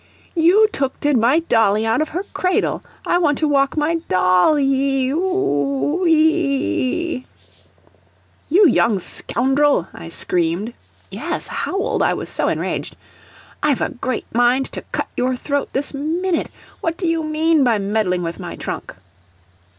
"You tookted my dolly out of her cradle I want to wock my dolly oo oo oo ee ee ee " "You young scoundrel," I screamed yes, howled, I was so enraged "I've a great mind to cut your throat this minute. What do you mean by meddling with my trunk?"